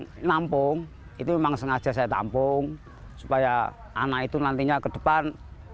kalau nampung itu memang sengaja saya tampung supaya anak itu nantinya ke depan